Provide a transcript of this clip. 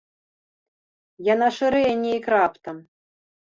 Яна шырэе нейк раптам.